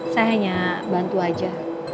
saya hanya bantu aja